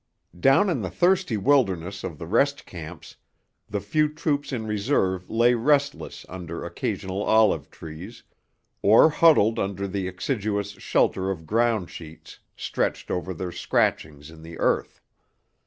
Down in the thirsty wilderness of the rest camps the few troops in reserve lay restless under occasional olive trees, or huddled under the exiguous shelter of ground sheets stretched over their scratchings in the earth.